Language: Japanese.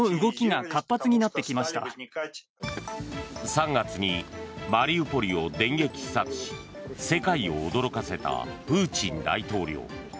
３月にマリウポリを電撃視察し世界を驚かせたプーチン大統領。